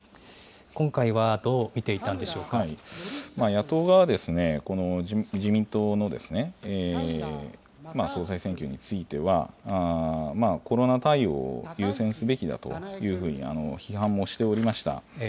小嶋さん、今回の総裁選挙、野党側ですね、野党側は、この自民党の総裁選挙については、コロナ対応を優先すべきだというふうに批判もしておりました。